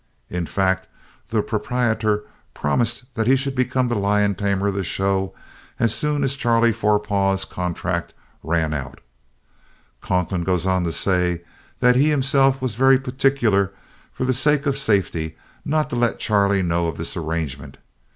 In fact, the proprietor promised that he should become the lion tamer of the show as soon as Charlie Forepaugh's contract ran out. Conklin goes on to say that he himself was very particular for the sake of safety not to let Charlie know of this arrangement.